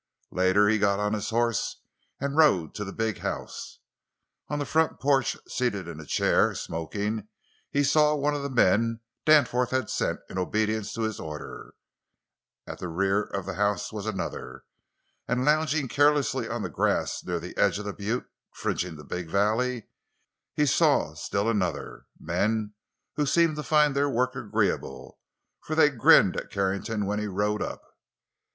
Later he got on his horse and rode to the big house. On the front porch, seated in a chair, smoking, he saw one of the men Danforth had sent in obedience to his order; at the rear of the house was another; and, lounging carelessly on the grass near the edge of the butte fringing the big valley, he saw still another—men who seemed to find their work agreeable, for they grinned at Carrington when he rode up.